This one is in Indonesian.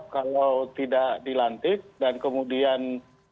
kalau tidak dilantik dan kemudian